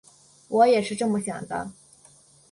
我也是这么想的